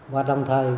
và đồng thời